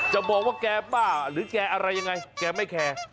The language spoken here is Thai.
จะบอกว่าแกบ้าหรือแกอะไรยังไงแกไม่แคร์